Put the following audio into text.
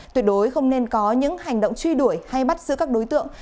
tuyệt đối không nên có những hành động truy đuổi hay bắt giữ các đối tượng